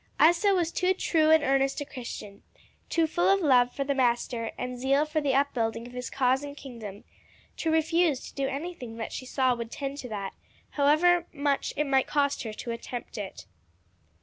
Isa was too true and earnest a Christian, too full of love for the Master and zeal for the upbuilding of his cause and kingdom, to refuse to do anything that she saw would tend to that, however much it might cost her to attempt it.